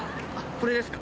これですか？